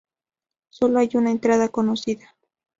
Sólo hay una entrada conocida.